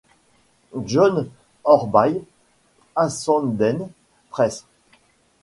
John Hornby's Ashendene Press.